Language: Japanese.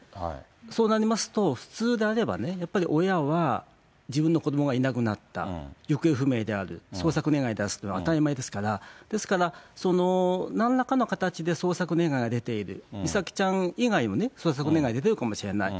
そうなりますと、普通であればね、やっぱり親は自分の子どもがいなくなった、行方不明である、捜索願出すというのは当たり前ですから、ですから、なんらかの形で捜索願いが出ている、美咲ちゃん以外も捜索願出てるかもしれない。